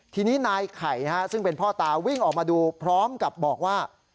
ทีนี้นายไข่ซึ่งเป็นพ่อตาวิ่งออกมาดูพร้อมกับบอกว่า